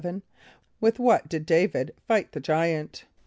= With what did D[=a]´vid fight the giant?